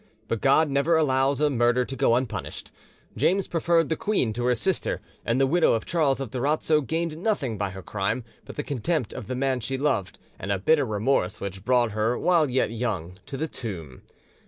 But God never allows a murder to go unpunished: James preferred the queen to her sister, and the widow of Charles of Durazzo gained nothing by her crime but the contempt of the man she loved, and a bitter remorse which brought her while yet young to the tomb.